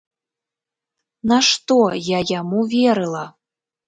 Нашто я яму верыла?